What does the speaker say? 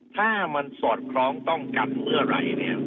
ถ้ามันสอดคล้องต้องกันเมื่อไหร่เนี่ย